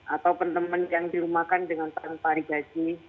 atau teman teman yang dirumahkan dengan tanpa ribasi